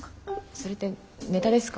それってネタですか？